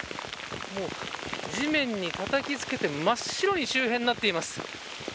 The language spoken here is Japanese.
もう地面に、たたきつけて真っ白に、周辺なっています。